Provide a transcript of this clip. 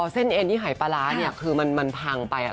เอ็นที่หายปลาร้าเนี่ยคือมันพังไป